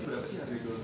bersyarat yang khusus